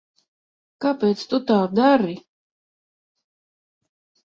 Kāpēc tu tā dari?